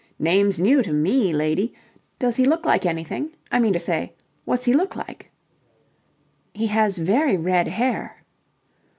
"Name's new to me, lady. Does he look like anything? I meanter say, what's he look like?" "He has very red hair."